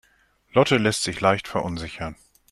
Lotte lässt sich leicht verunsichern.